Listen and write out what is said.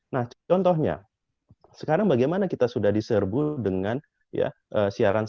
nah contohnya sekarang bagaimana kita sudah diserbu dengan ya siaran